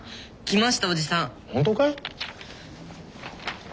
本当かい？